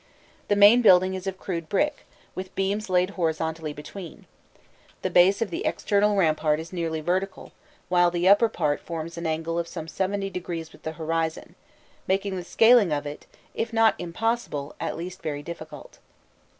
The main building is of crude brick, with beams laid horizontally between; the base of the external rampart is nearly vertical, while the upper part forms an angle of some seventy degrees with the horizon, making the scaling of it, if not impossible, at least very difficult.